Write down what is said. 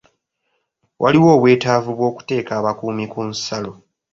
Waliwo obweetavu bw'okuteeka abakuumi ku nsalo.